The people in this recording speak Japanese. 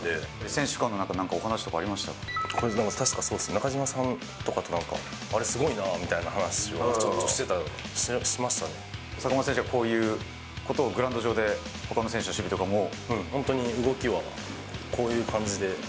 選手間の中、なんかお話とか確かそうっすね、中島さんとかと、なんか、あれ、すごいなぁみたいな話はちょっとしてた、坂本選手は、こういうことをグラウンド上で、ほかの選手たちの守備とかも。本当に動きはこういう感じで。